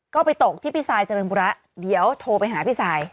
ก็ไปตกที่พี่ซายเจริญปุระเดี๋ยวโทรไปหาพี่ซาย